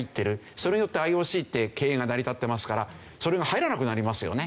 それによってＩＯＣって経営が成り立ってますからそれが入らなくなりますよね。